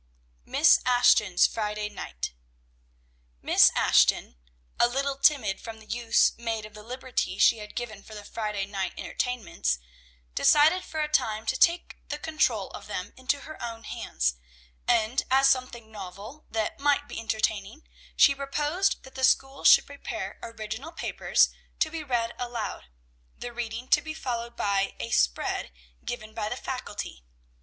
MISS ASHTON'S FRIDAY NIGHT. Miss Ashton, a little timid from the use made of the liberty she had given for the Friday night entertainments, decided for a time to take the control of them into her own hands, and as something novel, that might be entertaining, she proposed that the school should prepare original papers, to be read aloud, the reading to be followed by "a spread" given by the Faculty.